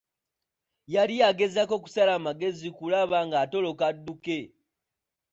Yali agezaako kusala magezi kulaba nga atoloka adduke.